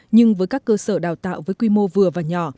nhưng với các cơ sở đào tạo với quy mô vừa và nhỏ